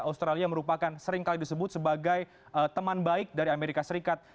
australia merupakan seringkali disebut sebagai teman baik dari amerika serikat